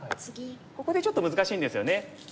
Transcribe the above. ここでちょっと難しいんですよね。